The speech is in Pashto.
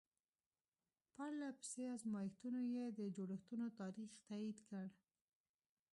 پرله پسې ازمایښتونو یې د جوړښتونو تاریخ تایید کړ.